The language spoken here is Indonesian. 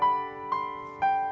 halo kang cecep dimana